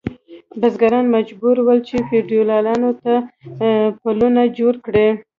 بزګران مجبور ول چې فیوډالانو ته پلونه جوړ کړي.